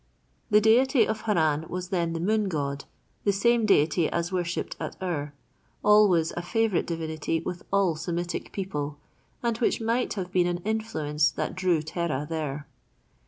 The deity of Haran was then the Moon God, the same deity as worshipped at Ur, always a favorite divinity with all Semitic people, and which might have been an influence that drew Terah there.